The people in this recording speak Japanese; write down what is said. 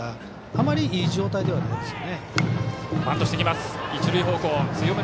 あまりいい状態ではないですね。